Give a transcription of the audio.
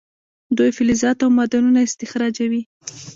دوی فلزات او معدنونه استخراجوي.